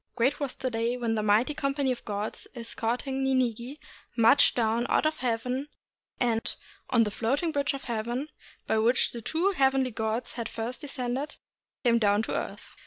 Great was the day when a mighty company of gods escorting Ninigi marched down out of heaven, and, on the Floating Bridge of Heaven by which the two hea venly gods had first descended, came down to the earth.